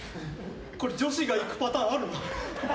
これ、女子が行くパターンあるの？